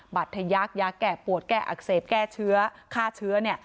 ทะยักษ์ยาแก้ปวดแก้อักเสบแก้เชื้อฆ่าเชื้อ